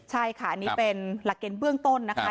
ใช่ค่ะอันนี้เป็นหลักเกณฑ์เบื้องต้นนะคะ